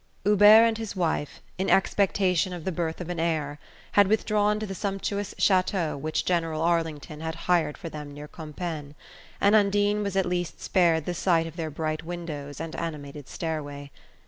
Hubert and his wife, in expectation of the birth of an heir, had withdrawn to the sumptuous chateau which General Arlington had hired for them near Compiegne, and Undine was at least spared the sight of their bright windows and animated stairway.